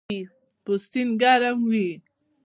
پوستین ګرم وي